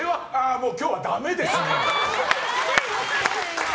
もう今日はダメですね！